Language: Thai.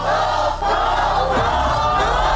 ให้ถูกเต้านั้น